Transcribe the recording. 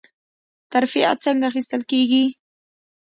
ترفیع څنګه اخیستل کیږي؟